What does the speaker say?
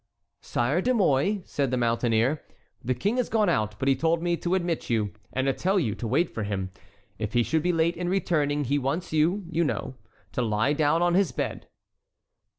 "Sire de Mouy," said the mountaineer, "the king has gone out, but he told me to admit you, and to tell you to wait for him. If he should be late in returning, he wants you, you know, to lie down on his bed."